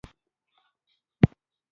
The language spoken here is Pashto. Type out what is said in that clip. ایا په بدن مو شین داغونه پیدا کیږي؟